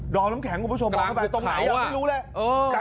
อมน้ำแข็งคุณผู้ชมมองเข้าไปตรงไหนไม่รู้เลย